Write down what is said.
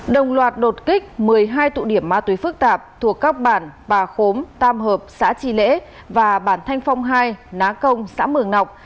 đồng loạt đột kích một mươi hai tụ điểm ma túy phức tạp thuộc các bản bà khốm tam hợp xã tri lễ và bản thanh phong hai ná công xã mường nọc